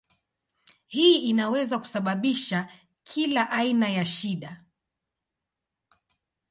Hii inaweza kusababisha kila aina ya shida.